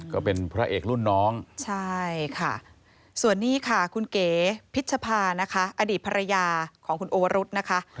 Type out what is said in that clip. ก็เป็นพระเอกรุ่นน้องใช่ค่ะส่วนนี้ค่ะคุณเก๋พิชภานะคะอดีตภรรยาของคุณโอวรุษนะคะ